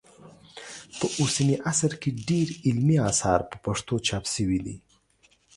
په اوسني عصر کې ډېر علمي اثار په پښتو چاپ سوي دي